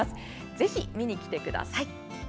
ぜひ見に来てください。